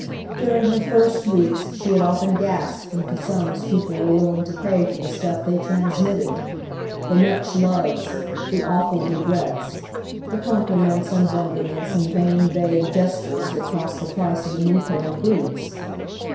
During her first weeks she had often gasped at the sums people were willing to pay for the stuff they transmitted—the "much love"s, the "awful" regrets, the compliments and wonderments and vain vague gestures that cost the price of a new pair of boots.